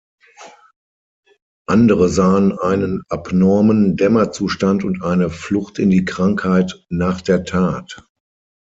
Andere sahen einen abnormen Dämmerzustand und eine „Flucht in die Krankheit nach der Tat“.